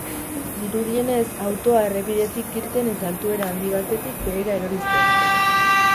Dirudienez, autoa errepidetik irten eta altuera handi batetik behera erori zen.